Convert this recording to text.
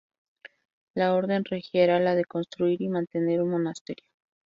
La orden regia era la de construir y mantener un monasterio.